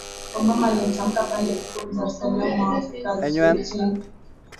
Obama alitamka pale Ikulu Dar es Salaam Waafrika waijenge